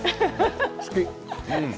好き。